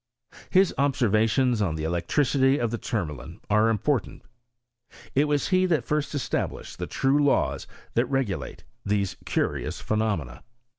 His obser vations on the electricity of the tourmalin are important. It was he that first established the true laws that regulate these curious phenomena.